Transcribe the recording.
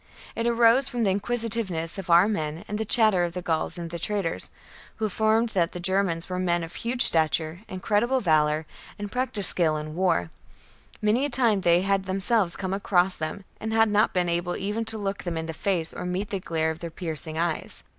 It arose from the inquisitiveness of our men and the chatter of the Gauls and the traders, who affirmed that the Germans were men of huge stature, incredible valour, and practised skill in war : many a time they had themselves come across them, and had not been able even to look them in the face or meet the glare of their piercing eyes.